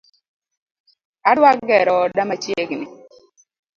Adwa gero oda machiegni